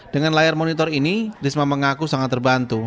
dengan layar monitor ini risma mengaku sangat terbantu